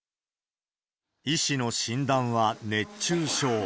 医師の診断は熱中症。